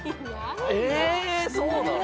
えそうなの？